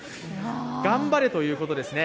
頑張れということですね。